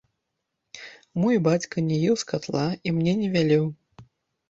Мой бацька не еў з катла і мне не вялеў.